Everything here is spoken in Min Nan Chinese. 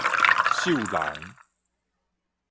獸人